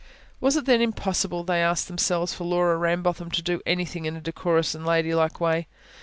Was it then impossible, they asked themselves, for Laura Rambotham to do anything in a decorous and ladylike way.